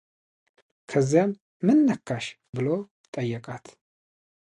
ከዚያም ምን ነካሽ ብሎ ጠየቃት፡፡